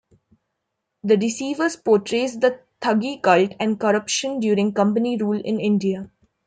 The Deceivers portrays the thuggee cult and corruption during Company rule in India.